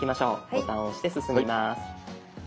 ボタンを押して進みます。